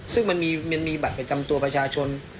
ซึ่งมันมีบัตรประจำตัวประชาชน